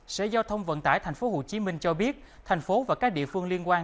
sở giao thông vận tải tp hcm cho biết thành phố và các địa phương liên quan